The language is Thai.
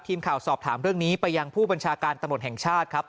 ทีมข่าวสอบถามเรื่องนี้ไปยังผู้บัญชาการตำรวจแห่งชาติครับ